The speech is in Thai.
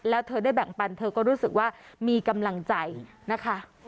แล้วเธอได้แบ่งปันเธอก็รู้สึกว่ามีกำลังใจนะคะ